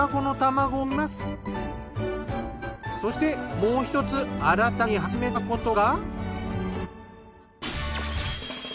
そしてもう１つ新たに始めたことが。